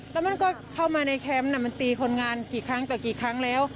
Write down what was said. แล้วมันก็เข้ามาในแคมป์มันตีคนงานกี่ครั้งต่อกี่ครั้งแล้ว